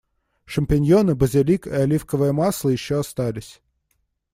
Шампиньоны, базилик, и оливковое масло ещё остались.